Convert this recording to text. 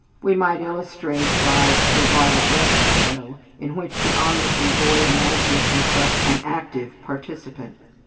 We might illustrate by the "Wild West Show" in which the onlooking boy imagines himself an active participant.